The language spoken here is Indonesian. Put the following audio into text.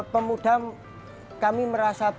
pemuda kami merasa bahwa